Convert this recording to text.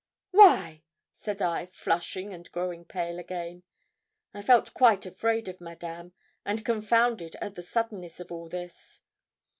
'Why?' said I, flushing and growing pale again. I felt quite afraid of Madame, and confounded at the suddenness of all this.